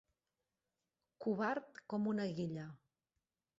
Covard com una guilla.